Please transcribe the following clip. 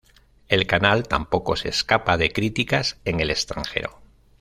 El canal tampoco se escapa de críticas en el extranjero.